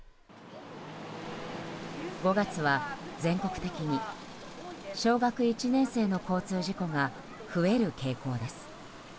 ５月は全国的に小学１年生の交通事故が増える傾向です。